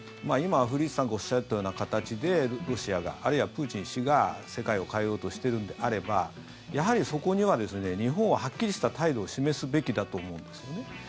今、古市さんがおっしゃったような形でロシアが、あるいはプーチン氏が世界を変えようとしてるんであればやはり、そこには日本ははっきりした態度を示すべきだと思うんですよね。